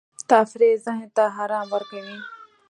تفریح ذهن ته آرام ورکوي.